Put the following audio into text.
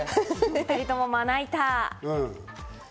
お２人とも「まな板」。